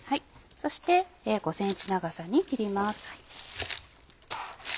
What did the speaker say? そして５ｃｍ長さに切ります。